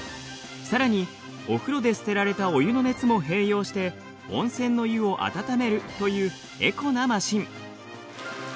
さらにお風呂で捨てられたお湯の熱も併用して温泉の湯を温めるというエコなマシン。